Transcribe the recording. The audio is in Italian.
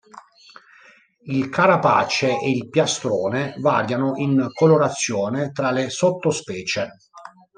Il carapace e il piastrone variano in colorazione tra le sottospecie.